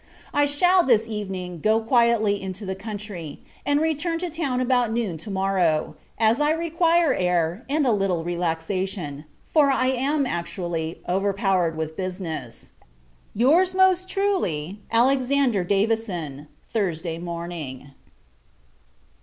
I shall, this evening, go quietly into the country, and return to town about noon to morrow: as I require air, and a little relaxation; for I am, actually, overpowered with business. Your's, most truly, ALEX. DAVISON. Thursday Morning.